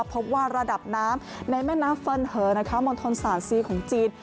พบว่าระดับน้ำในแม่น้ำเฟิร์นเหอมณฑลศาสตร์ซีของจีน